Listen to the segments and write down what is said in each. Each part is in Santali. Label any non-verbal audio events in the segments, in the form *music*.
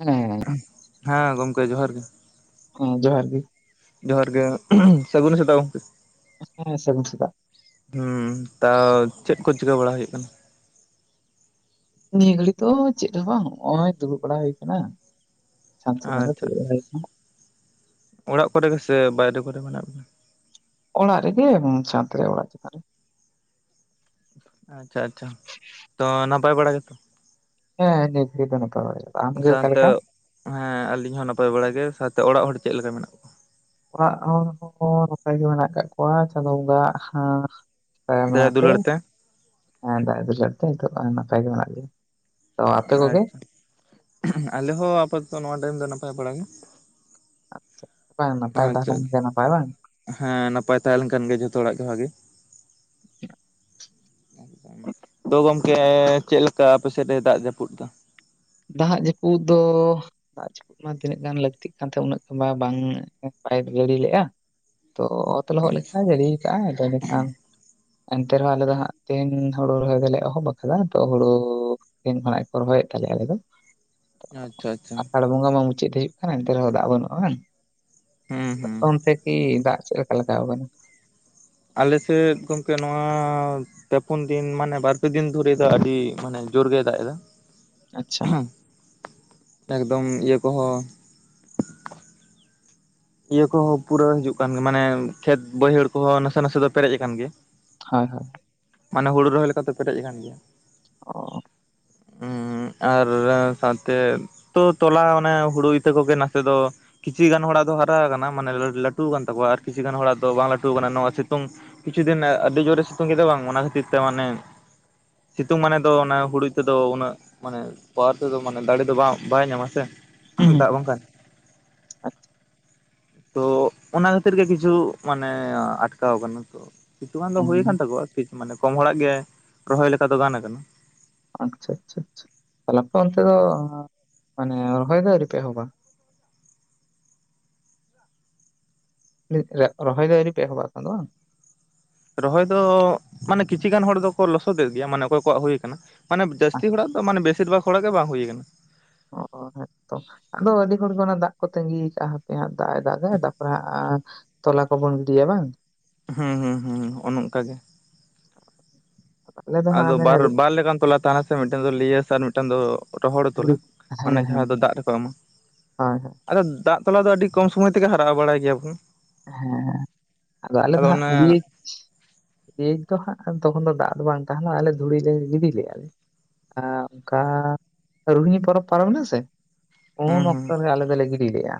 ᱦᱮᱸ ᱦᱮᱸ ᱜᱚᱢᱠᱮ ᱡᱚᱦᱟᱨ ᱜᱮ᱾ ᱦᱮᱸ ᱡᱚᱦᱟᱨ ᱜᱤ᱾ ᱡᱚᱦᱟᱨ ᱜᱮ ᱥᱟᱹᱜᱩᱱ ᱥᱮᱛᱟᱜ ᱜᱚᱢᱠᱮ᱾ ᱦᱮᱸ ᱥᱟᱹᱜᱩᱱ ᱥᱮᱛᱟᱜ᱾ ᱦᱩᱸ ᱛᱟᱣ ᱪᱮᱫ ᱠᱚ ᱪᱤᱠᱟᱹ ᱵᱟᱲᱟ ᱦᱩᱭᱩᱜ ᱠᱟᱱᱟ? ᱱᱤᱭᱟᱹ ᱜᱷᱟᱹᱲᱤᱡ ᱛᱚ ᱪᱮᱫ ᱦᱚᱸ ᱵᱟᱝ ᱱᱚᱜᱼᱚᱭ ᱫᱩᱲᱩᱵ ᱵᱟᱲᱟ ᱦᱩᱭ ᱟᱠᱟᱱᱟ ᱪᱷᱟᱱ ᱥᱚᱢᱚᱭ ᱫᱚ ᱟᱪᱪᱷᱟ ᱪᱮᱫ ᱦᱩᱭ ᱟᱠᱟᱱᱟ ᱚᱲᱟᱜ ᱠᱚᱨᱮ ᱜᱮ ᱥᱮ ᱵᱟᱭᱨᱮ ᱠᱚᱨᱮ ᱢᱮᱱᱟᱜ ᱵᱤᱱᱟ ᱚᱲᱟᱜ ᱨᱮᱜᱮ ᱪᱷᱟᱸᱛ ᱨᱮ ᱚᱲᱟᱜ ᱪᱮᱛᱟᱱ ᱨᱮ ᱟᱪᱪᱷᱟ ᱟᱪᱪᱷᱟ ᱛᱚ ᱱᱟᱯᱟᱭ ᱵᱟᱲᱟ ᱜᱮᱛᱚ ᱦᱮᱸ ᱱᱤᱭᱟᱹ ᱜᱷᱟᱹᱲᱤ ᱫᱚ ᱱᱟᱯᱟᱭ ᱵᱟᱲᱟ ᱜᱮ ᱟᱢ ᱜᱮ ᱚᱠᱟ ᱥᱟᱶᱛᱮ ᱞᱮᱠᱟ? ᱦᱮᱸ ᱟᱞᱤᱧ ᱦᱚᱸ ᱱᱟᱯᱟᱭ ᱵᱟᱲᱟ ᱜᱮ ᱥᱟᱶᱛᱮ ᱚᱲᱟᱜ ᱦᱚᱲ ᱪᱮᱫ ᱞᱮᱠᱟ ᱢᱮᱱᱟᱜ ᱠᱚᱣᱟ ᱚᱲᱟᱜ ᱦᱚᱲ ᱦᱚᱸ ᱱᱟᱯᱟᱭ ᱜᱮ ᱢᱮᱱᱟᱜ ᱟᱠᱟᱜ ᱠᱚᱣᱟ ᱪᱟᱸᱫᱳ ᱵᱚᱸᱜᱟ ᱦᱟᱜ ᱫᱟᱭᱟ ᱢᱟᱭᱟ ᱛᱮ ᱫᱟᱭᱟ ᱫᱩᱞᱟᱹᱲ ᱛᱮ ᱱᱤᱛᱚᱜ ᱫᱚ ᱱᱟᱯᱟᱭ ᱜᱮ ᱢᱮᱱᱟᱜ ᱞᱮᱭᱟ ᱛᱚ ᱟᱯᱮ ᱠᱚᱜᱮ ᱟᱪᱪᱷᱟ ᱟᱞᱮ ᱦᱚᱸ ᱟᱯᱟᱛᱚᱛᱚ ᱱᱚᱣᱟ ᱴᱟᱭᱤᱢ ᱫᱚ ᱱᱟᱯᱟᱭ ᱵᱟᱲᱟ ᱜᱮ ᱟᱪᱪᱷᱟ ᱱᱟᱯᱟᱭ ᱛᱟᱦᱮᱸ ᱟᱪᱪᱷᱟ ᱞᱮᱱᱠᱷᱟᱱ ᱱᱟᱯᱟᱭ ᱵᱟᱝ ᱦᱮᱸ ᱱᱟᱯᱟᱭ ᱛᱟᱦᱮᱸ ᱞᱮᱱ ᱠᱷᱟᱱ ᱜᱮ ᱡᱷᱚᱛᱚ ᱦᱚᱲᱟᱜ ᱜᱮ ᱵᱷᱟᱜᱮ ᱛᱚ ᱜᱚᱢᱠᱮ ᱪᱮᱫ ᱞᱮᱠᱟ ᱟᱯᱮ ᱥᱮᱫ ᱮ ᱫᱟᱜ ᱡᱟᱹᱯᱩᱫ ᱫᱟ? ᱫᱟᱜ ᱡᱟᱹᱯᱩᱫ ᱫᱚ ᱫᱟᱜ ᱡᱟᱹᱯᱩᱫ ᱢᱟ ᱛᱤᱱᱟᱹᱜ ᱜᱟᱱ ᱞᱟᱹᱠᱛᱤᱜ ᱠᱟᱱ ᱛᱟᱦᱮᱸ ᱩᱱᱟᱹᱜ ᱢᱟ ᱵᱟᱝ ᱵᱟᱭ ᱡᱟᱹᱲᱤ ᱞᱮᱜᱼᱟ ᱛᱚ ᱚᱛ ᱞᱚᱦᱚᱫ ᱟᱪᱪᱷᱟ ᱞᱮᱠᱟᱭ ᱡᱟᱹᱲᱤ ᱠᱟᱜ ᱟᱭ ᱛᱚ ᱮᱸᱰᱮ ᱠᱷᱟᱱ ᱮᱱᱛᱮ ᱨᱮᱦᱚᱸ ᱟᱞᱮ ᱫᱚ ᱦᱟᱸᱜ ᱛᱮᱦᱮᱧ ᱦᱤᱲᱳ ᱨᱚᱦᱚᱭ ᱫᱚᱞᱮ ᱮᱦᱚᱵ ᱟᱠᱟᱫᱟ ᱛᱚ ᱦᱳᱲᱳ ᱛᱤᱦᱤᱱ ᱠᱷᱚᱱᱟᱜ ᱜᱮ ᱠᱚ ᱨᱚᱦᱚᱭᱮᱫ ᱛᱟᱞᱮᱭᱟ ᱟᱞᱮ ᱫᱚ ᱟᱪᱪᱷᱟ ᱟᱪᱪᱷᱟ ᱟᱥᱟᱲ ᱵᱚᱸᱜᱟ ᱢᱟ ᱢᱩᱪᱟᱹᱫ ᱦᱤᱡᱩᱜ ᱠᱟᱱᱟ ᱮᱱᱛᱮ ᱨᱮᱦᱚᱸ ᱫᱟᱜ ᱵᱟᱹᱱᱩᱜᱼᱟᱱ ᱦᱩᱸ ᱦᱩᱸ ᱟᱫᱚ ᱚᱱᱛᱮ ᱤ ᱫᱟᱜ ᱪᱮᱫ ᱞᱮᱠᱟ ᱞᱟᱜᱟᱣ ᱠᱟᱱᱟ ᱟᱞᱮ ᱥᱮᱫ ᱜᱚᱢᱠᱮ ᱱᱚᱣᱟ ᱯᱮ ᱯᱩᱱ ᱫᱤᱱ ᱢᱟᱱᱮ ᱵᱟᱨ ᱯᱮ ᱫᱤᱱ ᱫᱷᱚᱨᱮ ᱫᱚ ᱟᱹᱰᱤ ᱢᱟᱱᱮ ᱡᱳᱨ ᱜᱮᱭ ᱫᱟᱜ ᱮᱫᱟ ᱟᱪᱪᱷᱟ ᱮᱠᱫᱚᱢ ᱤᱭᱟᱹ ᱠᱚ ᱦᱚᱸ ᱤᱭᱟᱹ ᱠᱚ ᱦᱚᱸ ᱯᱩᱨᱟᱹ ᱦᱤᱡᱩᱜ ᱠᱟᱱ ᱜᱮᱭᱟ ᱢᱟᱱᱮ ᱠᱷᱮᱛ ᱵᱟᱹᱭᱦᱟᱹᱲ ᱠᱚᱦᱚᱸ ᱱᱟᱥᱮ ᱱᱟᱥᱮ ᱫᱚ ᱯᱮᱨᱮᱡ ᱟᱠᱟᱱ ᱜᱮᱭᱟ ᱦᱚᱭ ᱦᱚᱭ ᱢᱟᱱᱮ ᱦᱩᱲᱩ ᱨᱚᱦᱚᱭ ᱞᱮᱠᱟ ᱫᱚ ᱯᱮᱨᱮᱡ ᱟᱠᱟᱱ ᱜᱮᱭᱟ ᱚ ᱩ ᱟᱨ ᱥᱟᱶᱛᱮ ᱛᱚ ᱛᱚᱞᱟ ᱚᱱᱮ ᱦᱩᱲᱩ ᱤᱛᱟᱹ ᱠᱚ ᱜᱮ ᱱᱟᱥᱮ ᱫᱚ ᱠᱤᱪᱷᱤ ᱜᱟᱱ ᱦᱚᱲᱟᱜ ᱫᱚ ᱦᱟᱨᱟ ᱠᱟᱱᱟ ᱢᱟᱱᱮ ᱞᱟᱹᱴᱩ ᱠᱟᱱ ᱛᱟᱠᱚᱣᱟ ᱟᱨ ᱠᱤᱪᱷᱩ ᱜᱟᱱ ᱦᱚᱲᱟᱜ ᱫᱚ ᱵᱟᱝ ᱞᱟᱹᱴᱩ ᱠᱟᱱᱟ ᱱᱚᱣᱟ ᱥᱤᱛᱩᱝ ᱠᱤᱪᱷᱩ ᱫᱤᱱ ᱟᱹᱰᱤ ᱡᱳᱨᱮ ᱥᱤᱛᱩᱝ ᱠᱮᱫᱟ ᱵᱟᱝ ᱚᱱᱟ ᱠᱷᱟᱹᱛᱤᱨ ᱛᱮ ᱢᱟᱱᱮ ᱥᱤᱛᱩᱝ ᱢᱟᱱᱮ ᱫᱚ ᱚᱱᱟ ᱦᱩᱲᱩ ᱤᱛᱟᱹ ᱫᱚ ᱩᱱᱟᱹᱜ ᱢᱟᱱᱮ ᱯᱟᱣᱟᱨ ᱛᱮᱫᱚ ᱢᱟᱱᱮ ᱫᱟᱲᱮ ᱫᱚ ᱵᱟ ᱵᱟᱭ ᱧᱟᱢᱟ ᱥᱮ ᱦᱩᱸ ᱫᱟᱜ ᱦᱩᱸ ᱦᱩᱸ, ᱵᱟᱝᱠᱷᱟᱱ ᱟᱪᱪᱷᱟ ᱛᱚ ᱚᱱᱟ ᱠᱷᱟᱹᱛᱤᱨ ᱜᱮ ᱠᱤᱪᱷᱩ ᱢᱟᱱᱮ ᱟᱴᱠᱟᱶ ᱠᱟᱱᱟ ᱛᱚ ᱠᱤᱪᱷᱩ ᱜᱟᱱ ᱫᱚ ᱦᱩᱭ ᱠᱟᱱ ᱦᱩᱸ, ᱛᱟᱠᱚᱣᱟ ᱢᱟᱱᱮ ᱠᱚᱢ ᱦᱚᱲᱟᱜ ᱜᱮ ᱨᱚᱦᱚᱭ ᱞᱮᱠᱟ ᱫᱚ ᱜᱟᱱ ᱠᱟᱱᱟ ᱟᱪᱪᱷᱟ ᱟᱪᱪᱷᱟ ᱪᱷᱟ ᱛᱟᱞᱮ ᱟᱯᱮ ᱚᱱᱛᱮ ᱫᱚ ᱢᱟᱱᱮ ᱨᱚᱦᱚᱭ ᱫᱚ ᱟᱣᱨᱤᱯᱮ ᱮᱦᱚᱵᱟ *unintelligible* ᱨᱚᱦᱚᱭ ᱫᱚ ᱟᱣᱨᱤᱯᱮ ᱮᱦᱚᱵᱟ ᱮᱠᱷᱚᱱ ᱫᱚ ᱵᱟᱝ ᱨᱚᱦᱚᱭ ᱫᱚ ᱢᱟᱱᱮ ᱠᱤᱪᱷᱤ ᱜᱟᱱ ᱦᱚᱲ ᱫᱚᱠᱚ ᱞᱚᱥᱚᱫᱮᱫ ᱜᱮᱭᱟ ᱢᱟᱱᱮ ᱚᱠᱚᱭ ᱠᱚᱣᱟᱜ ᱦᱩ ᱠᱟᱱᱟ ᱢᱟᱱᱮ ᱡᱟᱹᱥᱛᱤ ᱦᱚᱲᱟᱜ ᱫᱚ ᱢᱟᱱᱮ ᱵᱮᱥᱤᱨ ᱵᱷᱟᱜ ᱦᱚᱲᱟᱜ ᱜᱮ ᱵᱟᱝ ᱦᱩᱭ ᱠᱟᱱᱟ ᱚᱚ ᱦᱮᱸᱛᱚ ᱟᱫᱚ ᱟᱹᱰᱤ ᱦᱚᱲᱫᱚ ᱚᱱᱟ ᱫᱟᱜ ᱠᱚ ᱛᱟᱜᱤ ᱠᱟᱜᱼᱟ ᱦᱟᱯᱮ ᱦᱟᱸᱜ ᱫᱟᱜ ᱮ ᱫᱟᱜᱟᱭ ᱛᱟᱯᱚᱨᱮ ᱦᱟᱸᱜ ᱛᱚᱞᱟ ᱠᱚᱵᱚᱱ ᱜᱤᱰᱤᱭᱟ ᱵᱟᱝ ᱦᱩᱸ ᱦᱩᱸ ᱦᱩᱸ ᱚᱱᱮ ᱚᱱᱠᱟ ᱜᱮ *inaudible* ᱦᱟᱸᱜ ᱟᱫᱚ ᱚᱱᱮ ᱵᱟᱨ ᱨᱩ- ᱵᱟᱨ ᱞᱮᱠᱟᱱ ᱛᱚᱞᱟ ᱛᱟᱦᱮᱱᱟ ᱥᱮ ᱢᱤᱫᱴᱮᱱ ᱫᱚ ᱞᱤᱭᱮᱥ ᱟᱨ ᱢᱤᱫᱴᱮᱱ ᱫᱚ ᱨᱚᱦᱚᱲ ᱨᱩᱲᱤ, ᱛᱚᱞᱟ ᱦᱮᱸ ᱚᱱᱮ ᱦᱮᱸ ᱦᱳᱭ ᱡᱟᱦᱟᱸ ᱫᱚ ᱫᱟᱜ ᱨᱮᱠᱚ ᱮᱢᱟ ᱦᱳᱭ ᱟᱫᱚ ᱫᱟᱜ ᱛᱚᱞᱟ ᱫᱚ ᱟᱹᱰᱤ ᱠᱚᱢ ᱥᱚᱢᱚᱭ ᱛᱮᱜᱮ ᱦᱟᱨᱟᱜ-ᱟ ᱵᱟᱲᱟᱭ ᱜᱮᱭᱟᱵᱚᱱ ᱦᱮᱸ ᱟᱫᱚ ᱟᱞᱮ ᱫᱚ ᱦᱟᱸᱜ ᱜᱩᱭᱟᱹ ᱮᱭ ᱛᱚ ᱦᱟᱸᱜ ᱛᱚᱠᱷᱚᱱ ᱫᱚ ᱫᱟᱜ ᱫᱚ ᱵᱟᱝ ᱛᱟᱦᱮᱱᱟ ᱟᱞᱮ ᱫᱷᱩᱲᱤ ᱞᱮ ᱜᱤᱰᱤ ᱞᱮᱼᱟ ᱞᱮ ᱟ ᱚᱱᱠᱟ ᱨᱩᱱᱦᱤ ᱯᱚᱨᱚᱵᱽ ᱯᱟᱨᱚᱢᱱᱟ ᱥᱮ ᱦᱩᱸ ᱩᱱ ᱦᱩᱸ ᱚᱠᱛᱚ ᱨᱮ ᱟᱞᱮ ᱫᱚᱞᱮ ᱜᱤᱰᱤ ᱞᱮᱼᱟ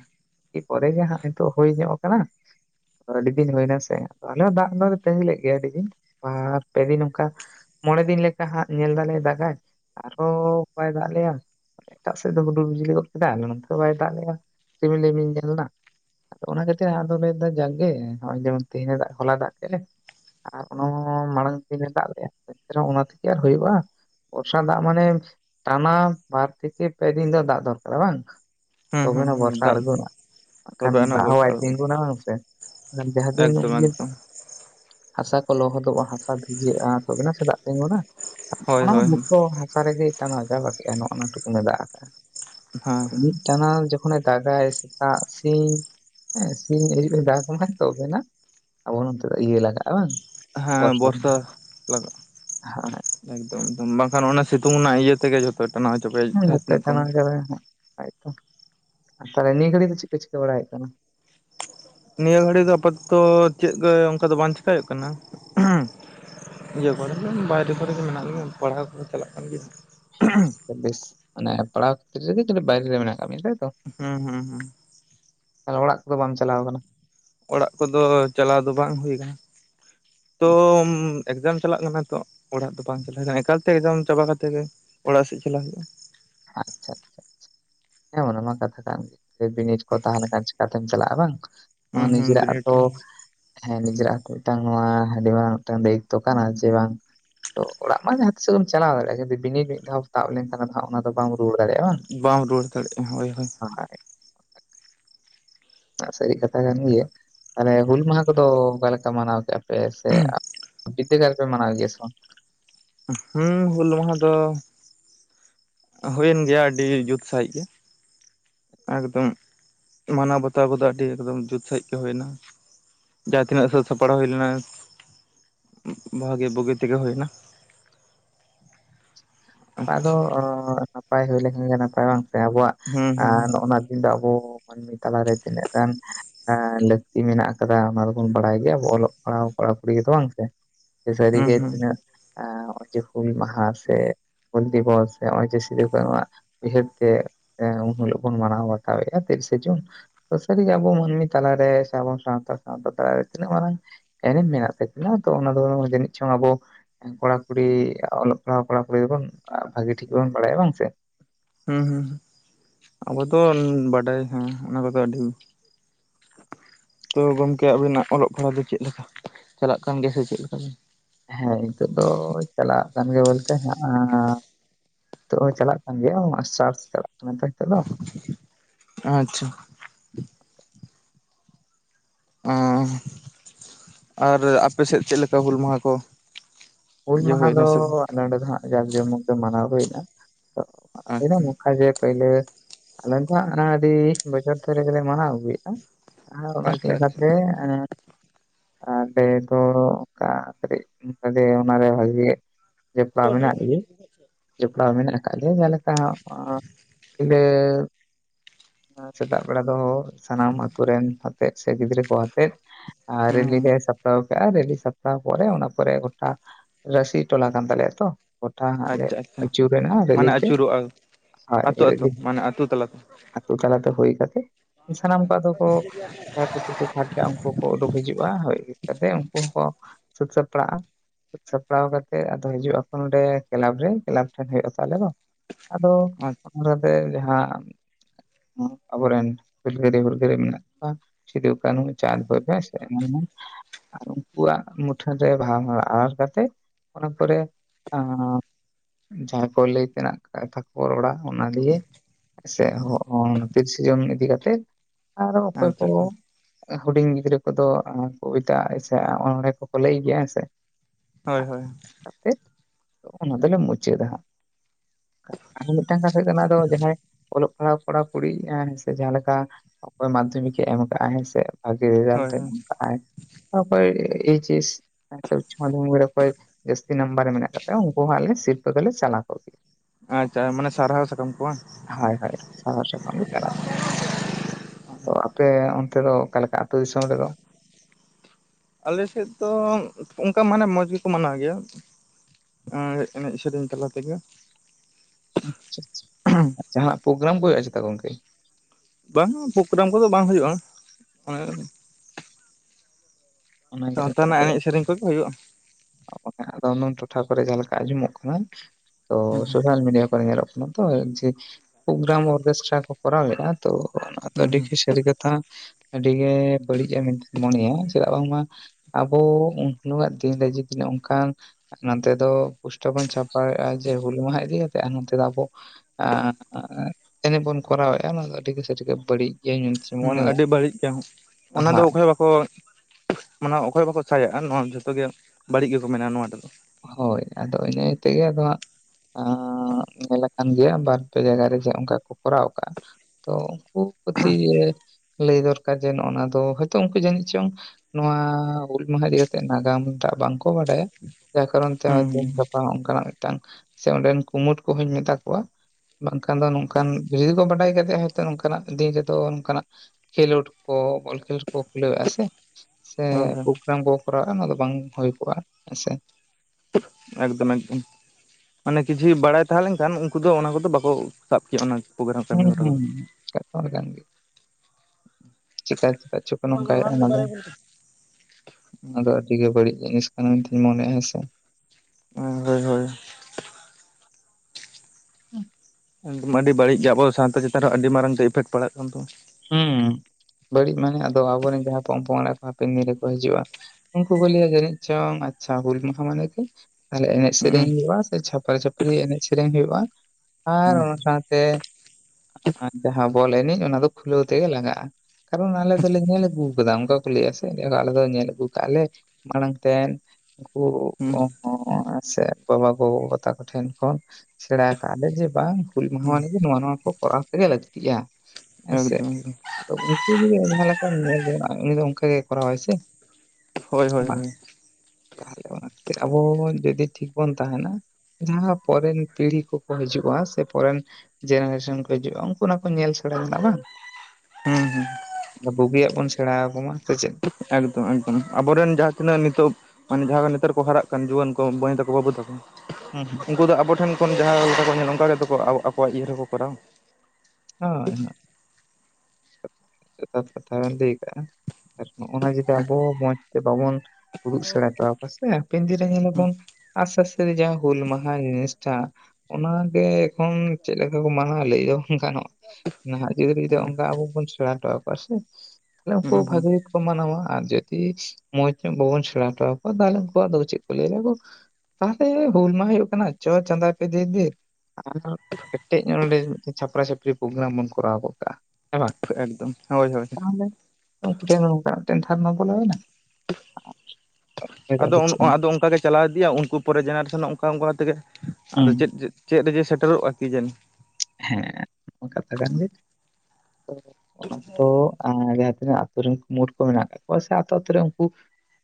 ᱤ ᱯᱚᱨᱮ ᱨᱮ ᱦᱟᱸᱜ ᱱᱤᱛᱚᱜ ᱦᱩᱭ ᱧᱚᱜ ᱠᱟᱱᱟ ᱟᱹᱰᱤ ᱫᱤᱱ ᱦᱩᱭ ᱱᱟ ᱥᱮ ᱟᱞᱮ ᱦᱚᱸ ᱫᱟᱜ ᱫᱚᱞᱮ ᱛᱟᱺᱜᱤ ᱞᱮᱫ ᱜᱮᱭᱟ ᱟᱹᱰᱤ ᱫᱤᱱᱼᱼ *unintelligible* ᱟᱨ ᱯᱮ ᱫᱤᱱ ᱚᱱᱠᱟ ᱢᱚᱲᱮ ᱫᱤᱱ ᱞᱮᱠᱟ ᱦᱟᱸᱜ ᱧᱮᱞ ᱫᱟᱞᱮ ᱫᱟᱜᱟᱭ ᱟᱨᱚ ᱦᱚ ᱵᱟᱭ ᱫᱟᱜ ᱞᱮᱭᱟ ᱮᱴᱟᱜ ᱥᱮᱫ ᱫᱚ ᱦᱩᱰᱩᱨ ᱵᱤᱡᱽᱞᱤ ᱜᱚᱫ ᱠᱮᱫᱟᱭ ᱟᱞᱮ ᱱᱚᱱ ᱛᱮ ᱫᱚ ᱵᱟᱭ ᱫᱟᱜ ᱞᱮᱜ-ᱟ ᱨᱤᱢᱤᱞ ᱨᱤᱢᱤᱞ ᱧᱮᱞ ᱱᱟ ᱟᱫᱚ ᱚᱱᱟ ᱠᱷᱟᱹᱛᱤᱨ ᱟᱫᱚ ᱞᱟᱹᱭᱫᱟ ᱡᱟᱸᱜᱮ ᱱᱚᱜᱼᱚᱭ ᱡᱮᱢᱚᱱ ᱛᱮᱦᱮᱱᱮ ᱫᱟᱜ ᱦᱚᱞᱟ ᱫᱟᱜ ᱠᱮᱫ-ᱮ ᱟᱨ ᱚᱱᱚ ᱢᱟᱲᱟᱝ ᱥᱮᱱᱮ ᱫᱟᱜ ᱞᱮᱼᱟᱭ ᱛᱚ ᱚᱱᱟ ᱛᱮ ᱠᱤ ᱟᱨ ᱦᱩᱭᱩᱜᱼᱟ ᱵᱚᱨᱥᱟ ᱫᱟᱜ ᱢᱟᱱᱮ ᱴᱟᱱᱟ ᱵᱟᱨ ᱛᱷᱮᱠᱮ ᱯᱮ ᱫᱤᱱ ᱫᱚ ᱫᱟᱜ ᱫᱚᱨᱠᱟᱨᱟ ᱵᱟᱝ ᱦᱩᱸ ᱦᱩᱸ ᱛᱚᱵᱮᱱᱟ ᱦᱩᱸ ᱵᱚᱨᱥᱟ ᱫᱟᱜ ᱟᱲᱜᱳᱱᱟ ᱵᱟᱠᱷᱟᱱ ᱛᱚᱵᱮ ᱟᱱᱟ ᱫᱟᱜ ᱦᱚᱸ ᱵᱚᱨᱥᱟ ᱵᱟᱭ ᱟᱬᱜᱚᱱᱟ ᱛᱤᱸᱜᱩᱱᱟ ᱥᱮ ᱡᱟᱦᱟᱸ ᱛᱤᱱᱟᱹᱜ ᱮᱠᱫᱚᱢ ᱜᱮᱼᱼ ᱮᱠᱫᱚᱢ ᱦᱟᱥᱟ ᱠᱚ ᱞᱚᱦᱚᱫᱚᱜᱼᱟ ᱦᱟᱥᱟ ᱵᱷᱤᱡᱟᱹᱜᱼᱟ ᱛᱚᱵᱮᱱᱟ ᱥᱮ ᱫᱟᱜ ᱛᱤᱸᱜᱩᱱᱟ ᱦᱳᱭ ᱚᱱᱟ ᱢᱟ ᱦᱳᱭ ᱡᱷᱚᱛᱚ ᱦᱟᱥᱟ ᱨᱮ ᱜᱮ ᱴᱟᱱᱟᱣ ᱪᱟᱵᱟ ᱠᱮᱜᱼᱟ ᱱᱚᱜᱼᱚ ᱱᱟ ᱴᱩᱠᱩᱱᱮ ᱫᱟᱜ ᱟᱠᱟᱜᱼᱟ ᱦᱮᱸ ᱢᱤᱫ ᱴᱟᱱᱟ ᱡᱚᱠᱷᱚᱱᱮ ᱫᱟᱜᱟᱭ ᱥᱮᱛᱟᱜ ᱥᱤᱧ ᱮᱸ ᱥᱤᱧ ᱟᱹᱭᱩᱵᱼᱼ ᱫᱟᱜ ᱢᱟᱭ ᱛᱚᱵᱮᱱᱟᱜ ᱟᱵᱚ ᱱᱚᱱ ᱛᱮ ᱫᱚ ᱤᱭᱟᱹ ᱞᱟᱜᱟᱜᱼᱟ ᱵᱟᱝ ᱦᱮᱸ ᱵᱚᱨᱥᱟ ᱞᱟᱜᱟᱜᱼᱟ ᱮᱠᱫᱚᱢ ᱮᱠᱫᱚᱢ ᱵᱟᱝ ᱠᱷᱟᱱ ᱚᱱᱟ ᱥᱤᱛᱩᱝ ᱨᱮᱱᱟᱜ ᱤᱭᱟᱹ ᱛᱮ ᱜᱮ ᱡᱷᱚᱛᱚᱭ ᱴᱟᱱᱟᱣ ᱪᱟᱵᱟᱭᱟ ᱡᱟᱦᱟᱸ ᱛᱤᱱᱟᱹᱜ ᱠᱚᱢ ᱧᱚᱜ *unintelligible* ᱛᱟᱭᱛᱚ ᱛᱟᱦᱚᱞᱮ ᱱᱤᱭᱟᱹ ᱜᱷᱟᱹᱲᱤᱡ ᱫᱚ ᱪᱮᱫ ᱠᱚ ᱪᱤᱠᱟᱹ ᱵᱟᱲᱟᱭ ᱦᱩᱭᱩᱜ ᱠᱟᱱᱟ ᱱᱤᱭᱟᱹ ᱜᱷᱟᱹᱲᱤᱡ ᱫᱚ ᱟᱯᱟᱛᱚᱛᱚ ᱪᱮᱫ ᱜᱮ ᱚᱱᱠᱟ ᱫᱚ ᱵᱟᱝ ᱪᱤᱠᱟᱹ ᱦᱩᱭᱩᱜ ᱠᱟᱱᱟ ᱤᱭᱟᱹ ᱠᱚ ᱨᱮ ᱵᱟᱭᱨᱮ ᱠᱚ ᱨᱮ ᱜᱮ ᱢᱮᱱᱟᱜ ᱞᱤᱧᱟᱹ ᱯᱟᱲᱦᱟᱣ ᱠᱚ ᱜᱮ ᱪᱟᱞᱟᱜ ᱠᱟᱱ ᱜᱮᱭᱟ ᱟᱪᱪᱷᱟ ᱟᱪᱪᱷᱟ ᱵᱮᱥ ᱢᱟᱱᱮ ᱯᱟᱲᱦᱟᱣ ᱠᱷᱟᱹᱛᱤᱨ ᱨᱮ ᱜᱮ ᱵᱟᱭ ᱨᱮ ᱢᱮᱱᱟᱜ ᱠᱟᱜ ᱢᱮᱭᱟ ᱛᱟᱹᱭᱛᱚ ᱦᱩᱸ ᱦᱩᱸ ᱦᱩᱸ ᱚᱲᱟᱜ ᱠᱚᱫᱚ ᱵᱟᱢ ᱪᱟᱞᱟᱣ ᱟᱠᱟᱱᱟ? ᱚᱲᱟᱜ ᱠᱚ ᱫᱚ ᱪᱟᱞᱟᱣ ᱫᱚ ᱵᱟᱝ ᱦᱩᱭ ᱠᱟᱱᱟ ᱛᱚ ᱮᱠᱡᱟᱢ ᱪᱟᱞᱟᱜ ᱠᱟᱱᱟ ᱛᱚ ᱚᱲᱟᱜ ᱫᱚ ᱵᱟᱝ ᱪᱟᱞᱟᱣ ᱦᱩᱭ ᱠᱟᱱᱟ ᱮᱠᱟᱞ ᱛᱮ ᱮᱠᱡᱟᱢ ᱪᱟᱵᱟ ᱠᱟᱛᱮ ᱜᱮ ᱚᱲᱟᱜ ᱥᱮᱫ ᱪᱟᱞᱟᱜ ᱦᱩᱭᱩᱜᱼᱟ ᱟᱪᱪᱷᱟ ᱟᱪᱪᱷᱟ ᱟᱪᱪᱷᱟ ᱦᱮᱸ ᱚᱱᱟ ᱢᱟ ᱠᱟᱛᱷᱟ ᱠᱟᱱ ᱜᱮᱼᱼ ᱵᱤᱱᱤᱰ ᱠᱚ ᱛᱟᱦᱮᱸ ᱞᱮᱱ ᱠᱷᱟᱱ ᱪᱤᱠᱟ ᱛᱮᱢ ᱪᱟᱞᱟᱜᱼᱟ ᱵᱟᱝ ᱦᱩᱸ ᱱᱚᱣᱟ ᱦᱩᱸ ᱱᱤᱡᱮᱨᱟᱜ ᱵᱤᱱᱤᱰ ᱛᱚ ᱦᱮᱸ ᱱᱤᱡᱮᱨᱟᱜ ᱦᱚᱸ ᱛᱚ ᱢᱤᱫᱴᱟᱝ ᱱᱚᱶᱟ ᱟᱹᱰᱤ ᱢᱟᱨᱟᱝ ᱢᱤᱫᱴᱟᱝ ᱫᱟᱭᱤᱛᱛᱚ ᱠᱟᱱᱟ ᱡᱮ ᱵᱟᱝᱼᱼ ᱛᱚ ᱚᱲᱟᱜ ᱢᱟ ᱡᱟᱦᱟᱸ ᱛᱤᱥᱚᱜ ᱜᱮᱢ ᱪᱟᱞᱟᱣ ᱫᱟᱲᱮᱭᱟᱜᱼᱟ ᱡᱩᱥᱤ ᱵᱤᱱᱤᱰ ᱢᱤᱫ ᱫᱷᱟᱣ ᱛᱟᱵ ᱞᱮᱱ ᱠᱷᱟᱱ ᱟᱫᱚ ᱦᱟᱸᱜᱼᱼ ᱟᱫᱚ ᱵᱟᱢ ᱨᱩᱣᱟᱹᱲ ᱫᱟᱲᱮᱭᱟᱜᱼᱟ ᱵᱟᱝ? ᱵᱟᱢ ᱨᱩᱣᱟᱹᱲ ᱫᱟᱲᱮᱭᱟ ᱼᱟ ᱦᱳᱭ ᱦᱳᱭ ᱥᱟᱹᱨᱤ ᱠᱟᱛᱷᱟ ᱠᱟᱱ ᱜᱮᱭᱟ ᱛᱟᱦᱞᱮ ᱦᱩᱞ ᱢᱟᱦᱟᱸ ᱠᱚ ᱫᱚ ᱚᱠᱟ ᱞᱮᱠᱟ ᱢᱟᱱᱟᱣ ᱠᱮᱜ ᱟᱯᱮᱼᱼ ᱯᱮᱥᱮ ᱟᱵᱽ ᱰᱤᱯᱤ ᱜᱟᱨ ᱯᱮ ᱢᱟᱱᱟᱣ ᱜᱮᱭᱟ ᱥᱮ ᱵᱟᱝᱼᱼ ᱦᱩᱸ ᱦᱩᱞ ᱢᱟᱦᱟ ᱫᱚᱼᱼ ᱦᱩᱭ ᱮᱱ ᱜᱮᱭᱟ ᱟᱹᱰᱤ ᱡᱩᱛ ᱥᱟᱺᱦᱤᱡ ᱜᱮ᱾ ᱮᱠᱫᱚᱢ ᱢᱟᱱᱟᱣ ᱵᱟᱛᱟᱣ ᱠᱚᱫᱚ ᱟᱹᱰᱤ ᱮᱠᱫᱚᱢ ᱡᱩᱛ ᱥᱟᱺᱦᱤᱡ ᱜᱮ ᱦᱩᱭ ᱮᱱᱟ᱾ ᱡᱟᱦᱟᱸ ᱛᱤᱱᱟᱹᱜ ᱥᱟᱹᱛ ᱥᱟᱯᱲᱟᱣ ᱦᱳᱭ ᱞᱮᱱᱟ ᱵᱷᱟᱜᱮ ᱵᱳᱜᱮ ᱛᱮᱜᱮ ᱦᱩᱭᱱᱟ᱾ ᱟᱫᱚ ᱱᱟᱯᱟᱭ ᱦᱩᱭ ᱞᱮᱱᱠᱷᱟᱱ ᱜᱮ ᱱᱟᱯᱟᱭ ᱵᱟᱝ ᱥᱮ ᱟᱵᱚᱣᱟᱜ ᱦᱩᱸ ᱦᱩᱸ ᱱᱚᱜ-ᱚ ᱱᱚᱣᱟ ᱫᱤᱱ ᱫᱚ ᱟᱵᱚ ᱢᱟᱹᱱᱢᱤ ᱛᱟᱞᱟ ᱨᱮ ᱛᱤᱱᱟᱹᱜ ᱜᱟᱱ ᱦᱮᱸ ᱞᱟᱹᱠᱛᱤ ᱢᱮᱱᱟᱜ ᱟᱠᱟᱫᱟ ᱚᱱᱟ ᱫᱚᱵᱚᱱ ᱵᱟᱲᱟᱭ ᱜᱮᱭᱟ ᱟᱵ ᱚᱞᱚᱜ ᱯᱟᱲᱦᱟᱣ ᱠᱚᱲᱟ ᱠᱩᱲᱤ ᱫᱚ ᱵᱟᱝ ᱥᱮ᱾ ᱥᱟᱹᱨᱤ ᱦᱩᱸ ᱜᱮ ᱦᱩᱸ ᱛᱤᱱᱟᱹᱜ ᱟᱸ ᱡᱮ ᱦᱩᱞ ᱢᱟᱦᱟ ᱥᱮ ᱦᱩᱞ ᱫᱤᱵᱚᱥ ᱥᱮ ᱦᱚᱜ-ᱚᱭ ᱡᱮ ᱥᱤᱫᱩ ᱠᱟᱹᱱᱩ ᱟᱜ ᱩᱭᱦᱟᱹᱨ ᱛᱮ ᱩᱱ ᱦᱤᱞᱳᱜ ᱵᱚᱱ ᱢᱟᱱᱟᱣ ᱵᱟᱛᱟᱣ ᱮᱜ-ᱟ ᱛᱤᱨᱤᱥᱮ ᱡᱩᱱ᱾ ᱥᱟᱹᱨᱤ ᱜᱮ ᱟᱵᱚ ᱢᱟᱹᱱᱢᱤ ᱛᱟᱞᱟᱨᱮ ᱥᱮ ᱟᱵᱚ ᱥᱟᱶᱛᱟ ᱥᱟᱶᱛᱟ ᱛᱟᱞᱟᱨᱮ ᱛᱤᱱᱟᱹᱜ ᱢᱟᱨᱟᱝ ᱮᱱᱮᱱ ᱢᱮᱱᱟᱜ ᱛᱟᱠᱤᱱᱟ ᱛᱚ ᱚᱱᱟ ᱫᱚ ᱡᱟᱹᱱᱤᱡ ᱪᱚᱝ ᱟᱵᱚ ᱠᱚᱲᱟ ᱠᱩᱲᱤ ᱟᱜ ᱚᱞᱚᱜ ᱯᱟᱲᱦᱟᱣ ᱯᱟᱲᱦᱟ ᱞᱟᱹᱭ ᱟᱵᱚᱱ ᱟ ᱵᱷᱟᱜᱮ ᱴᱷᱤᱠ ᱵᱚᱱ ᱵᱟᱲᱟᱭᱟ ᱵᱟᱝ ᱥᱮ ᱦᱩᱸ ᱦᱩᱸ ᱟᱵᱚ ᱫᱚ ᱵᱟᱰᱟᱭ ᱦᱮᱸᱱᱟ ᱠᱚᱫᱚ ᱟᱹᱰᱤ ᱛᱚ ᱜᱚᱝᱠᱮ ᱟᱵᱤᱱᱟᱜ ᱚᱞᱚᱜ ᱯᱟᱲᱦᱟᱜ ᱫᱚ ᱪᱮᱫᱞᱮᱠᱟ ᱪᱟᱞᱟᱜ ᱠᱟᱱ ᱜᱮᱭᱟ ᱥᱮ ᱪᱮᱫᱞᱮᱠᱟ ᱜᱮ ᱦᱮᱸ ᱱᱤᱛᱚᱜ ᱫᱚ ᱪᱟᱞᱟᱜ ᱠᱟᱱ ᱜᱮ ᱵᱚᱞᱛᱮ ᱦᱟᱸᱜ ᱟᱭ ᱱᱤᱛᱚᱜ ᱦᱚᱸ ᱪᱟᱞᱟᱜ ᱠᱟᱱ ᱜᱮᱭᱟ ᱢᱟᱨᱥᱟᱨᱪ ᱪᱟᱞᱟᱜ ᱠᱟᱱᱟ ᱛᱚ ᱱᱤᱛᱚᱜ ᱫᱚ ᱾ ᱟᱪᱪᱷᱟ᱾ ᱮᱸ ᱟᱨ ᱟᱯᱮ ᱥᱮᱫ ᱪᱮᱫ ᱞᱮᱠᱟ ᱦᱩᱞ ᱢᱟᱦᱟ ᱠᱚ? ᱦᱩᱞ ᱤᱭᱟᱹ ᱢᱟᱦᱟ ᱫᱚ ᱦᱩᱭᱱᱟ ᱥᱮ ᱵᱟᱝ? ᱦᱟᱜ ᱱᱚᱰᱮ ᱫᱚ ᱦᱟᱸᱜ ᱡᱟᱠ ᱡᱚᱢᱚᱠ ᱜᱮ ᱢᱟᱱᱟᱣ ᱦᱩᱭᱩᱜᱼᱟ᱾ *unintelligible* ᱟᱪᱪᱷᱟ ᱱᱝᱠᱟ ᱜᱮ ᱯᱟᱹᱭᱞᱟᱹ ᱾ ᱟᱞᱮ ᱫᱚ ᱦᱟᱸᱜ ᱚᱱᱟ ᱟᱹᱰᱤ ᱵᱚᱪᱷᱚᱨ ᱫᱷᱚᱨᱟᱣ ᱜᱮ ᱞᱮ ᱢᱟᱱᱟᱣ ᱟᱹᱜᱩᱭ ᱮᱫᱟ ᱟᱨ ᱚᱱᱟᱥ ᱟᱪᱪᱷᱟ ᱞᱮᱠᱟ ᱟᱪᱪᱷᱟ ᱛᱮ - - *unintelligible* ᱚᱸᱰᱮ ᱫᱚ ᱚᱠᱟ ᱠᱟᱹᱴᱤᱡ *unintelligible* ᱾ ᱮ ᱚᱱᱟ ᱨᱮ ᱵᱷᱟᱜᱮ ᱜᱮ ᱡᱚᱯᱲᱟᱣ ᱢᱮᱱᱟᱜ ᱦᱩᱸ ᱜᱮᱭᱟ᱾ ᱡᱚᱯᱲᱟᱣ ᱢᱮᱱᱟᱜ ᱟᱠᱟᱫ ᱞᱮᱭᱟ ᱡᱟᱸᱦᱟ ᱞᱮᱠᱟ ᱟᱸᱜ ᱞᱮ ᱻ ᱥᱮᱛᱟᱜ ᱵᱮᱲᱟ ᱫᱚ ᱼᱼ ᱥᱟᱱᱟᱢ ᱟᱛᱩ ᱨᱮᱱ ᱟᱛᱮᱜ ᱥᱮ ᱜᱤᱫᱽᱨᱟᱹ ᱠᱚ ᱟᱛᱮᱫ ᱟᱨ ᱮ ᱤᱧ ᱞᱟᱹᱭ ᱦᱩᱸ ᱮᱫᱟ ᱥᱟᱯ - - ᱚᱼᱠᱟ ᱨᱮᱞᱤ ᱥᱟᱯᱲᱟᱣ ᱠᱚᱜ ᱟᱯᱮ ᱚᱱᱟ ᱯᱚᱨᱮ ᱜᱚᱴᱟ ᱨᱟᱹᱥᱤ ᱴᱚᱞᱟ ᱠᱟᱱ ᱛᱟᱞᱮᱭᱟ ᱛᱚ ᱾ ᱜᱚᱴᱷᱟ ᱦᱟᱸᱜ ᱞᱮ ᱟᱪᱪᱷᱟ ᱟᱪᱪᱷᱟ ᱟᱹᱪᱩ ᱨᱮᱱᱟ ᱨᱮᱞᱤ ᱢᱟᱱᱮ ᱛᱮ ᱟᱹᱪᱩᱨᱚᱜᱼᱟ ᱾ ᱟᱹᱛᱩ ᱟᱹᱛᱩ ᱢᱟᱱᱮ ᱟᱹᱛᱩ ᱛᱟᱞᱟ ᱛᱮ ᱾ ᱛᱟᱞᱟ ᱛᱮ ᱦᱳᱭ ᱠᱟᱛᱮ ᱥᱟᱱᱟᱢ ᱠᱚ ᱟᱫᱚ ᱠᱚ ᱮᱸ ᱛᱳᱯᱳ ᱯᱷᱟᱨᱪᱟᱜ ᱼᱟ - - ᱳᱱᱠᱳ ᱠᱚ ᱳᱰᱳᱠ ᱦᱤᱡᱩᱜᱼᱟ, ᱦᱳᱭ ᱠᱟᱛᱮ ᱩᱱᱠᱩ ᱦᱚᱸᱠᱚ ᱥᱟᱹᱛ ᱥᱟᱯᱲᱟᱜᱼᱟ ᱾ ᱥᱟᱯᱲᱟᱣ ᱠᱟᱛᱮ ᱟᱫᱚ ᱦᱤᱡᱩᱜ ᱟᱠᱚ ᱱᱚᱰᱮ ᱠᱞᱟᱵᱽ ᱨᱮ ᱠᱞᱟᱵᱽ ᱴᱷᱮᱱ ᱦᱳᱭᱳᱜᱼᱟ ᱛᱚ ᱟᱞᱮ ᱫᱚ ᱾ ᱟᱫᱚ ᱚᱱᱟ ᱠᱟᱛᱮ ᱡᱟᱦᱟᱸ ᱟᱵᱚ ᱨᱮᱱ *unintelligible* ᱢᱮᱱᱟᱜ ᱠᱚᱣᱟ ᱥᱤᱫᱩ ᱠᱟᱹᱱᱩ, ᱪᱟᱸᱫᱽ, ᱵᱷᱚᱭᱨᱳᱵ ᱦᱮ ᱥᱮ ᱮᱢ ᱩᱱᱠᱩᱣᱟᱜ ᱢᱩᱴᱷᱟᱹᱱ ᱨᱮ ᱵᱟᱦᱟ ᱢᱟ ᱟᱨ ᱠᱟᱛᱮᱜ, ᱚᱱᱟ ᱯᱚᱨᱮ ᱟᱸ ᱡᱟᱦᱟᱸ ᱠᱚ ᱞᱟᱹᱭ ᱛᱮᱱᱟᱜ ᱠᱟᱛᱷᱟ ᱠᱚ ᱨᱚᱲᱟ ᱚᱱᱟ ᱫᱤᱭᱮ ᱥᱮ *unintelligible* ᱛᱤᱨᱤᱥᱟ ᱡᱩᱱ ᱤᱫᱤ ᱠᱟᱛᱮᱫ ᱟᱨ ᱦᱚ ᱚᱠᱚᱭ ᱠᱚ ᱟᱪᱪᱷᱟ ᱟᱪᱪᱷᱟ ᱦᱩᱰᱤᱧ ᱜᱤᱫᱽᱨᱟᱹ ᱠᱚᱫᱚ ᱠᱚᱵᱤᱛᱟᱜᱼᱟ ᱥᱮ ᱚᱱᱚᱲᱦᱮ ᱠᱚᱠᱚ ᱞᱟᱹᱭ ᱜᱮᱭᱟ ᱥᱮ, ᱦᱳᱭ ᱦᱳᱭ, ᱟᱛᱮᱫ ᱚᱱᱟ ᱫᱚᱞᱮ ᱢᱩᱪᱟᱹᱫ-ᱟ ᱦᱟᱸᱜ, ᱟᱨ ᱢᱤᱫᱴᱟᱱ ᱠᱟᱛᱷᱟ ᱦᱩᱭᱩᱜ ᱠᱟᱱᱟ ᱡᱟᱦᱟᱸᱭ ᱚᱞᱚᱜ ᱯᱟᱲᱦᱟᱜ ᱠᱚᱲᱟ ᱠᱩᱲᱤ ᱥᱮ ᱡᱟᱦᱟᱸᱮᱠᱟ ᱚᱠᱚᱭ ᱢᱟᱫᱽᱫᱚᱢᱤᱠᱮ ᱮᱢᱠᱟ ᱦᱮᱸ ᱥᱮ ᱦᱳᱭ ᱦᱳᱭ *unintelligible* ᱚᱠᱚᱭ ᱮᱭᱤᱪ ᱮᱥ ᱢᱟᱫᱷᱚᱢᱤᱠ ᱨᱮ ᱚᱠᱚᱭ ᱡᱟᱹᱥᱛᱤ ᱱᱟᱢᱵᱟᱨ ᱨᱮ ᱢᱮᱱᱟᱜ ᱠᱟᱛᱭᱟ ᱩᱱᱠᱩ ᱦᱚᱸ ᱟᱞᱮ ᱥᱤᱨᱯᱟᱹ ᱫᱚᱞᱮ ᱪᱟᱞ ᱠᱚᱜᱮᱭᱟ᱾ ᱟᱪᱪᱷᱟ ᱢᱟᱱᱮ ᱥᱟᱨᱦᱟᱣ ᱥᱟᱠᱟᱢ ᱠᱚ ᱵᱟᱝᱼᱼ ᱦᱟᱭ ᱦᱟᱭ ᱥᱟᱨᱦᱟᱣ ᱜᱮ ᱪᱟᱨᱟᱼᱼ ᱛᱚ ᱟᱯᱮ ᱚᱱᱛᱮ ᱫᱚ ᱚᱠᱟ ᱞᱮᱠᱟ ᱟᱛᱳ ᱫᱤᱥᱚᱢ ᱨᱮ ᱫᱚᱼᱼ ᱟᱞᱮ ᱥᱮᱫ ᱫᱚ ᱚᱱᱠᱟ ᱢᱟᱱᱮ ᱢᱚᱡᱽ ᱜᱮ ᱠᱚ ᱢᱟᱱᱟᱣ ᱜᱮᱭᱟ ᱮ ᱮᱱᱮᱡ ᱥᱮᱨᱮᱧ ᱛᱟᱞᱟ ᱛᱮ ᱜᱮ᱾ ᱟᱪᱪᱷᱟ ᱟᱪᱪᱷᱟ ᱡᱟᱦᱟᱸ ᱯᱨᱳᱜᱨᱟᱢ ᱠᱚ ᱦᱩᱭᱩᱜᱼᱟ ᱪᱮᱛᱟ ᱜᱚᱝᱠᱮ ᱵᱟᱝ-ᱟ ᱯᱨᱳᱜᱨᱟᱢ ᱠᱚ ᱫᱚ ᱵᱟᱝ ᱦᱩᱭᱩᱜᱼᱟ ᱚᱱᱮᱼᱼ ᱚᱱᱟᱜᱮ ᱥᱟᱶᱛᱟ ᱟᱨᱠᱤ ᱨᱮᱱᱟᱜ ᱟᱫᱚ ᱮᱱᱮᱡ ᱥᱮᱨᱮᱧ ᱠᱚ ᱜᱮ ᱦᱳᱭᱳᱜᱼᱟ ᱟᱫᱚ ᱴᱚᱴᱷᱟ ᱠᱚ ᱨᱮ ᱡᱟᱦᱟ ᱞᱮᱠᱟ ᱟᱡᱚᱢᱚᱜ ᱠᱟᱱᱟ ᱛᱚ ᱦᱩᱸ ᱥᱳᱥᱟᱞ ᱢᱤᱰᱤᱭᱟ ᱠᱚ ᱨᱮ ᱧᱮᱞᱚᱜ ᱠᱟᱱᱟ ᱛᱚ ᱡᱮ ᱯᱨᱚᱜᱨᱟᱢ ᱚᱨᱠᱮᱥᱴᱟᱨ ᱠᱚ ᱠᱚᱨᱟᱣ ᱞᱮᱫᱼᱟ ᱛᱚ ᱚᱱᱟ ᱫᱚ ᱟᱹᱰᱤ ᱦᱩᱸ ᱜᱮ ᱥᱟᱹᱨᱤ ᱠᱟᱛᱷᱟᱼᱼ ᱟᱹᱰᱤ ᱜᱮ ᱵᱟᱹᱲᱤᱡ *unintelligible* ᱢᱚᱱᱮᱭᱟ ᱪᱮᱫᱟᱜ ᱵᱟᱝᱢᱟ ᱟᱵᱚ ᱩᱱ ᱦᱤᱞᱚᱜ ᱵᱟᱝ ᱫᱤᱱ ᱨᱮᱼᱼ ᱚᱱᱠᱟᱱ ᱱᱚᱛᱮ ᱫᱚᱼᱼ ᱯᱩᱥᱴᱟᱹᱣ ᱵᱚᱱ ᱪᱷᱟᱯᱟᱣ ᱮᱫᱼᱟ ᱡᱮ ᱦᱩᱞ ᱢᱟᱦᱟ ᱤᱫᱤ ᱠᱟᱛᱮᱜ ᱟᱨ ᱱᱚᱛᱮ ᱫᱚ ᱟᱵᱚᱼᱼ ᱮᱱᱮᱡ ᱵᱚᱱ ᱠᱚᱨᱟᱣ ᱮᱫᱼᱟ ᱚᱱᱟ ᱫᱚ ᱟᱹᱰᱤ ᱜᱮ ᱵᱟᱹᱲᱤᱡ ᱜᱮᱭᱟ *unintelligible* ᱦᱩᱸ ᱟᱹᱰᱤ ᱵᱟᱹᱲᱤᱡ ᱜᱮᱭᱟ ᱚᱱᱟ ᱫᱚ ᱦᱟᱸ ᱚᱠᱚᱭ ᱵᱟᱠᱼᱼ ᱠᱚ ᱢᱟᱱᱮ ᱚᱠᱚᱭ ᱵᱟᱠᱚ ᱥᱟᱭᱟᱜᱼᱟ ᱱᱚᱣᱟ ᱡᱷᱚᱛᱚ ᱜᱮ ᱵᱟᱹᱲᱤᱡ ᱜᱮ ᱠᱚ ᱢᱮᱱᱟ ᱱᱚᱣᱟ ᱫᱚᱼᱼ ᱦᱳᱭ ᱟᱫᱚ ᱤᱱᱟᱹ ᱛᱮ ᱜᱮ ᱟᱫᱚ ᱦᱟᱸᱜᱼᱼ ᱧᱮᱞ ᱟᱠᱟᱱ ᱜᱮᱭᱟ ᱵᱟᱨ ᱯᱮ ᱡᱟᱭᱜᱟ ᱨᱮ ᱚᱱᱠᱟ ᱠᱚ ᱠᱚᱨᱟᱣ ᱟᱠᱟᱜ-ᱟ᱾ ᱛᱚ ᱩᱱ ᱠᱩ ᱯᱚᱛᱤ ᱞᱟᱹᱭ ᱫᱚᱨ ᱠᱟᱨ ᱡᱮ ᱱᱚᱜ-ᱚ ᱱᱚᱣᱟ ᱫᱚ ᱦᱚᱭ ᱛᱳ ᱩᱱᱠᱩ ᱡᱟᱹᱱᱤᱡ ᱪᱚᱝ ᱱᱚᱣᱟ ᱦᱩᱞ ᱢᱟᱦᱟ ᱤᱫᱤ ᱠᱟᱛᱮᱜ ᱱᱟᱜᱟᱢ ᱴᱟᱜ ᱵᱟᱝ ᱠᱚ ᱵᱟᱰᱟᱭᱟ ᱡᱟ ᱠᱟᱨᱚᱱ ᱛᱮ ᱦᱩᱸ ᱛᱮᱦᱤᱧ ᱦᱩᱸ ᱜᱟᱯᱟ ᱚᱱᱠᱟᱱᱟᱜ ᱢᱤᱫ ᱴᱟᱝ ᱥᱮ ᱚᱰᱮᱱ ᱠᱩᱢᱩᱴ ᱠᱚᱦᱚᱧ ᱢᱮᱛᱟ ᱠᱚᱣᱟ᱾ ᱵᱟᱝ ᱠᱷᱟᱱ ᱫᱚ ᱱᱚᱝ ᱠᱟᱱ ᱡᱩᱫᱤ ᱠᱚ ᱵᱟᱰᱟᱭ ᱠᱟᱛᱮ ᱦᱚ ᱛᱚ ᱱᱚᱝ ᱠᱟᱱᱟᱜ ᱫᱤᱛᱚ ᱱᱚᱝ ᱠᱟᱱᱟᱜ ᱠᱷᱮᱞᱳᱰ ᱠᱚ ᱵᱚᱞ ᱠᱷᱮᱞᱳᱰ ᱠᱚ ᱠᱷᱩᱞᱟ. ᱣ ᱟᱥᱮ ᱥᱮ ᱦᱳᱭ ᱦᱳᱭ ᱯᱨᱳᱜᱨᱟᱢ ᱠᱚ ᱠᱚᱨᱟᱼᱟ ᱚᱱᱟ ᱫᱚ ᱵᱟᱝ ᱦᱩᱭ ᱠᱚᱜᱼᱟ ᱦᱮᱸᱥᱮ ᱮᱠᱫᱚᱢ ᱮᱠᱫᱚᱢ ᱢᱟᱱᱮ ᱠᱤᱪᱷᱤ ᱵᱟᱲᱟᱭ ᱛᱟᱦᱮᱸ ᱞᱮᱱ ᱠᱷᱟᱱ ᱩᱱᱠᱩ ᱫᱚ ᱚᱱᱟ ᱠᱚ ᱫᱚ ᱵᱟᱠᱚ ᱥᱟᱵ ᱠᱮᱼᱟ ᱚᱱᱟ ᱯᱨᱳᱜᱨᱟᱢ ᱦᱩᱸ ᱠᱟᱹᱢᱤ ᱦᱚᱨᱟ ᱠᱚᱫᱚ ᱦᱩᱸ ᱪᱟᱯᱟᱲ ᱜᱟᱱ ᱜᱮ ᱪᱮᱠᱟ ᱛᱮ ᱠᱟ ᱪᱚ ᱠᱚ ᱱᱚᱝ ᱦᱳᱭ ᱠᱟᱭᱮᱫᱼᱟ ᱚᱱᱟ ᱫᱚ ᱚᱱᱟ ᱵᱩᱜᱮ ᱵᱟᱹᱲᱤᱡ ᱡᱤᱱᱤᱥ ᱠᱟᱱᱟ ᱢᱮᱱ ᱛᱮᱧ ᱢᱚᱱᱮ ᱭᱟ ᱦᱮᱸ ᱥᱮ ᱦᱳᱭ ᱦᱳᱭ ᱦᱩᱸ ᱟᱹᱰᱤ ᱵᱟᱲᱤᱡ ᱜᱮ ᱟᱵᱚ ᱥᱟᱶᱛᱟ ᱪᱮᱛᱟᱱ ᱨᱮ ᱟᱹᱰᱤ ᱢᱟᱨᱟᱝ ᱛᱮ ᱤᱯᱷᱮᱠᱴ ᱯᱟᱲᱟᱜ ᱠᱟᱱ ᱛᱟᱵᱚ ᱦᱩᱸ ᱵᱟᱹᱲᱤᱡ ᱢᱟᱱᱮ ᱟᱫᱚ ᱟᱵᱚ ᱨᱮᱱ ᱡᱟᱦᱟᱸᱭ ᱯᱚᱝ ᱯᱚᱝᱲᱟ ᱠᱚ ᱦᱟᱯᱮᱱ ᱫᱤᱱ ᱨᱮ ᱠᱚ ᱦᱤᱡᱩᱜᱼᱟ ᱩᱱᱠᱩ ᱠᱚ ᱞᱟᱹᱭᱟ ᱡᱟᱹᱱᱤᱡ ᱪᱚᱝ ᱟᱪᱪᱷᱟ ᱦᱩᱞ ᱢᱟᱦᱟ ᱢᱟᱱᱮ ᱫᱚ ᱛᱟᱦᱚᱞᱮ ᱮᱱᱮᱡ ᱥᱮᱨᱮᱧ ᱦᱩᱸ ᱦᱩᱭᱩᱜᱼᱟ ᱥᱮ ᱪᱷᱟᱯᱨᱟᱼ ᱪᱷᱟᱹᱯᱨᱤ ᱮᱱᱮᱡ ᱥᱮᱨᱮᱧ ᱦᱩᱭᱩᱜᱼᱟ ᱟᱨ ᱦᱩᱸ ᱚᱱᱟ ᱥᱟᱶᱛᱮ ᱥᱮ ᱡᱟᱦᱟ ᱵᱚᱞ ᱮᱱᱮᱡ ᱚᱱᱟ ᱫᱚ ᱠᱷᱩᱞᱟᱹᱣ ᱛᱮ ᱜᱮ ᱞᱟᱜᱟᱜᱼᱟ᱾ ᱠᱟᱨᱚᱱ ᱟᱞᱮ ᱫᱚ ᱞᱮ ᱧᱮᱞ ᱟᱜᱩ ᱟᱠᱟᱫᱟ ᱚᱠᱟ ᱠᱚ ᱞᱟᱹᱭ ᱟᱥᱮ ᱟᱞᱮ ᱫᱚ ᱧᱮᱞ ᱟᱜᱩ ᱠᱟᱜ ᱞᱮ᱾ ᱢᱟᱲᱟᱝ ᱛᱮ ᱩᱱᱠᱩ ᱦᱩᱸ ᱚ ᱥᱮ ᱵᱟᱵᱟ ᱜᱚᱵᱟ ᱛᱟᱠᱚ ᱴᱷᱮᱱ ᱠᱷᱚᱱ ᱥᱮᱲᱟ ᱟᱠᱟᱫ ᱞᱮ ᱡᱮ ᱵᱟᱝ ᱦᱩᱞ ᱢᱟᱦᱟ ᱦᱩᱸ ᱢᱟᱱᱮ ᱫᱚ ᱱᱚᱣᱟ ᱱᱚᱣᱟ ᱠᱚ ᱠᱚᱨᱟᱣ ᱛᱮ ᱜᱮ ᱞᱟᱹᱠᱛᱤᱜᱼᱟ᱾ ᱦᱮᱸᱥᱮ ᱮᱠᱫᱚᱢ ᱮᱠᱫᱚᱢ ᱟᱫᱚ ᱩᱱᱠᱩ ᱡᱟᱫᱤ ᱡᱟᱦᱟ ᱞᱮᱠᱟ ᱧᱮᱞ ᱡᱚᱝ ᱟᱭ ᱩᱱᱤ ᱫᱚ ᱚᱱᱠᱟ ᱜᱮ ᱠᱚᱨᱟᱣ ᱟᱭ ᱥᱮ ᱦᱳᱭ ᱦᱳᱭ ᱵᱟᱝ ᱟᱵᱚ ᱡᱩᱫᱤ ᱴᱷᱤᱠ ᱵᱚᱱ ᱛᱟᱦᱮ ᱱᱟ ᱡᱟᱦᱟ ᱯᱚᱨᱮᱱ ᱯᱤᱲᱦᱤ ᱠᱚ ᱠᱚ ᱦᱤᱡᱩᱜᱼᱟ ᱥᱮ ᱯᱚᱨᱮᱱ ᱡᱮᱱᱟ ᱨᱮᱥᱚᱱ ᱠᱚ ᱦᱤᱡᱩᱜᱼᱟ ᱩᱱᱠᱩ ᱚᱱᱟ ᱠᱚ ᱧᱮᱞ ᱥᱮᱲᱟ ᱢᱮᱱᱟᱜᱼᱟ ᱵᱟᱝ ᱦᱩᱸ ᱦᱩᱸ ᱵᱩᱜᱤᱭᱟᱜ ᱵᱚᱱ ᱥᱮᱲᱟ ᱟᱠᱚᱢᱟ ᱥᱮ ᱪᱮᱫ? ᱮᱠᱫᱚᱢ ᱮᱠᱫᱚᱢ ᱟᱵᱚ ᱨᱮᱱ ᱡᱟᱦᱟ ᱛᱤᱱᱟᱹᱜ ᱱᱤᱛᱚᱜ ᱢᱟᱱᱮ ᱡᱟᱦᱟ ᱱᱮᱛᱟᱨ ᱠᱚ ᱦᱟᱨᱟᱜ ᱠᱟᱱ ᱡᱩᱣᱟᱹᱱ ᱠᱚ ᱵᱟᱹᱭ ᱛᱟ ᱠᱚ ᱵᱟᱹᱵᱩ ᱛᱟᱠᱚ ᱦᱩᱸ ᱩᱱᱠᱩ ᱫᱚ ᱟᱵᱚ ᱴᱷᱮᱱ ᱠᱷᱚᱱ ᱡᱟᱦᱟᱸ ᱞᱮᱠᱟ ᱠᱚ ᱧᱮᱞ ᱚᱱᱠᱟᱜ ᱟᱠᱚᱣᱟᱜ ᱤᱭᱟᱹ ᱨᱮ ᱠᱚ ᱠᱚᱨᱟᱣᱟ ᱦᱳᱭ ᱦᱳᱭ ᱡᱚᱛᱷᱟᱛ ᱠᱟᱛᱷᱟ ᱵᱤᱱ ᱞᱟᱹᱭ ᱟᱠᱟᱫᱟ ᱱᱚᱜᱼᱱᱟ ᱡᱤ ᱟᱵᱚ ᱢᱚᱸᱡᱽ ᱛᱮ ᱵᱟᱵᱚᱱ ᱩᱫᱩᱜ ᱥᱮᱲᱟ ᱦᱚᱴᱚ ᱣᱟ ᱦᱟᱯᱮᱱ ᱫᱤᱱ ᱧᱮᱞ ᱟᱰᱚᱱ ᱟᱥᱛᱮ ᱟᱥᱛᱮ ᱡᱟᱦᱟᱸ ᱦᱩᱞ ᱢᱟᱦᱟ ᱡᱤᱱᱤᱥ ᱴᱟᱜ ᱚᱱᱟ ᱜᱮ ᱮᱠᱷᱚᱱ ᱪᱮᱫ ᱞᱮᱠᱟ ᱠᱚ ᱢᱟᱱᱟᱣ ᱞᱟᱹᱭ ᱫᱚ ᱵᱟᱝ ᱜᱟᱱᱚᱜ ᱱᱟᱱᱟᱜ ᱡᱩᱜ ᱨᱮ ᱚᱝᱠᱟ ᱟᱵᱩ ᱵᱚᱱ ᱥᱮᱲᱟᱴ ᱠᱚ ᱥᱮ ᱛᱟᱦᱮ ᱩᱱᱠᱩ ᱵᱷᱟ ᱜᱮ ᱢᱟᱱᱟᱣᱟ ᱟᱨ ᱡᱩᱫᱤ ᱢᱚᱸᱡᱽ ᱧᱚᱜ ᱵᱟᱵᱚᱱ ᱥᱮᱬᱟ ᱦᱚ ᱴᱚ ᱠᱚᱣᱟ ᱛᱟᱦᱞᱮ ᱩᱱᱠᱩ ᱣᱟᱜ ᱫᱚ ᱪᱮᱫ ᱠᱚ ᱞᱟᱹᱭᱟ ᱛᱟᱦᱚ ᱞᱮ ᱦᱩᱞ ᱢᱟ ᱦᱩᱭᱩᱜ ᱠᱟᱱᱟ ᱪᱚ ᱪᱟᱸᱫ ᱯᱮ ᱫᱮ ᱫᱮ ᱟᱨ ᱠᱮᱴᱮᱡ ᱧᱚᱜ ᱱᱚ ᱰᱮ ᱢᱤᱫ ᱴᱮᱱ ᱪᱷᱟᱯᱨᱟᱼ ᱪᱟᱹᱯᱟᱹᱨᱤ ᱯᱨᱳᱜ ᱨᱟᱢ ᱵᱚᱱ ᱠᱚᱨᱟᱣ ᱜᱚᱫ ᱠᱟᱜᱼᱟ ᱦᱮᱸ ᱵᱟᱝ ᱮᱠᱫᱚᱢ ᱦᱳᱭ ᱦᱳᱭ ᱛᱟᱦᱞᱮ ᱩᱱᱠᱩ ᱴᱷᱮᱱ ᱦᱚ ᱚᱱᱠᱟ ᱴᱮ ᱱᱴᱷᱟ ᱵᱚᱞᱚ ᱭᱮᱱᱟ ᱟᱫᱚ ᱪᱮᱫ ᱮᱢ ᱟᱫᱚ ᱚᱱᱠᱟ ᱜᱮ ᱪᱟᱞᱟᱣ ᱤᱫᱤᱭᱟ ᱩᱱ ᱠᱩ ᱯᱚᱨᱮ ᱡᱮᱱᱟ ᱨᱮᱥᱚᱱ ᱚᱱᱠᱟ ᱚᱱᱠᱟ ᱛᱮ ᱜᱮ ᱟᱫᱚ ᱦᱩᱸ ᱪᱮᱫ ᱪᱮᱫ ᱨᱮᱜᱮ ᱥᱮ ᱴᱮᱨᱚᱜᱼᱟ ᱠᱤ ᱡᱮᱱ ᱦᱮᱸ ᱱᱚᱣᱟ ᱠᱟᱛᱷᱟ ᱠᱟᱱ ᱜᱮᱭᱟ ᱚᱱᱟ ᱫᱚ ᱡᱟᱦᱟᱸ ᱛᱤᱱᱟᱹᱜ ᱟᱛᱩ ᱨᱮᱱ ᱠᱩᱢᱩᱴ ᱠᱚ ᱢᱮᱱᱟᱜ ᱠᱫ ᱠᱚᱣᱟ ᱥᱮ ᱟᱛᱳ ᱨᱮᱱ ᱩᱱᱠᱩ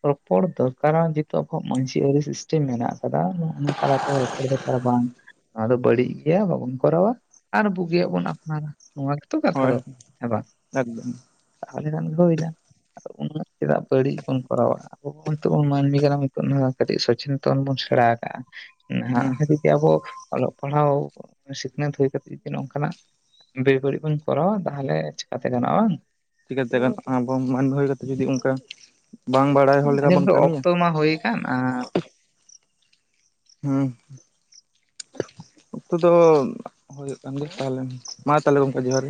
ᱨᱚᱯᱚᱲ ᱫᱚᱨ ᱠᱟᱨᱟ ᱡᱚ ᱟᱵᱚ ᱣᱟᱜ ᱢᱟᱹᱡᱷᱤ ᱟᱹᱨᱤ ᱥᱤᱥ ᱴᱮᱢ ᱢᱮᱱᱟᱜ ᱟᱠᱟᱫᱟ ᱱᱚᱜ ᱱᱚᱣᱟ ᱛᱟᱞ-ᱟ ᱠᱚ ᱨᱚᱲ ᱟ ᱵᱟᱝ ᱱᱚᱣᱟ ᱫᱚ ᱵᱟᱹᱲᱤᱡ ᱜᱮᱭᱟ ᱵᱟᱵᱚᱱ ᱠᱚᱨᱟᱣᱟ᱾ ᱟᱨ ᱵᱩᱜᱤᱭᱟᱼᱜ ᱵᱚᱱ ᱟᱯᱱᱟᱨᱟ ᱱᱚᱣᱟ ᱜᱮᱛᱚ ᱠᱟᱛᱷᱟ ᱦᱳᱭ ᱫᱚ, ᱦᱮᱸ ᱵᱟᱝ ᱮᱠᱫᱚᱢ ᱛᱟᱦᱚᱞᱮ ᱠᱷᱟᱱ ᱜᱮ ᱦᱩᱭᱱᱟ, ᱩᱱᱟᱹᱜ ᱪᱮᱫᱟᱜ ᱵᱟᱹᱲᱤᱡ ᱵᱚᱱ ᱠᱚᱨᱟᱣᱟ ᱦᱟᱜᱼᱼ ᱟᱵᱚ ᱱᱤᱛ ᱵᱚᱱ ᱢᱟᱹᱱᱢᱤ ᱠᱟᱱᱟ ᱱᱤᱛᱚᱜ ᱠᱟᱹᱴᱤᱡ ᱥᱚᱪᱮᱱᱮᱛᱚᱱ ᱵᱚᱱ ᱥᱮᱬᱟ ᱠᱟᱟᱜᱼᱟ᱾ ᱱᱟᱦᱟᱜ ᱦᱩᱸ ᱦᱚᱸ ᱡᱩᱫᱤ ᱟᱵᱚ ᱚᱞᱚᱜ ᱯᱟᱲᱦᱟᱣ ᱥᱤᱠᱷᱱᱟᱹᱛ ᱦᱩᱭ ᱠᱟᱛ ᱡᱩᱤ ᱱᱚᱝᱠᱟᱱᱟᱜ ᱵᱮᱵᱟᱹᱲᱤᱡ ᱵᱟᱱ ᱠᱚᱨᱟᱣᱟ ᱛᱟᱦᱚᱞᱮ ᱪᱤᱠᱟᱛᱮ ᱜᱟᱱᱚᱜᱼᱟ ᱾ ᱵᱟᱝ ᱪᱤᱠᱟᱹᱛᱮ ᱜᱟᱱᱳᱼ ᱟ ᱾ ᱟᱵᱚ ᱢᱟᱹᱱᱢᱤ ᱦᱩᱭ ᱠᱟᱛᱮ ᱡᱩᱫᱤ ᱚᱱᱠᱟ ᱵᱟᱝ ᱵᱟᱲᱟᱭ ᱦᱚᱲ ᱞᱮᱠᱟ ᱟᱪᱪᱷᱟ ᱵᱚᱱ ᱠᱟᱹᱢᱤᱭᱟ᱾ *unintelligible* ᱦᱩᱭ ᱦᱟᱱ ᱟᱨ *unintelligible* ᱚᱠᱛᱚ ᱫᱚ ᱦᱩᱭᱩᱜ ᱠᱟᱱ ᱜᱮᱭᱟ ᱛᱟᱦᱚᱞᱮ, ᱢᱟ ᱛᱟᱦᱞᱮ ᱜᱚᱝᱠᱮ ᱡᱚᱦᱟᱨ ᱜᱮ᱾